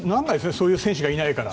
そういう選手がいないから。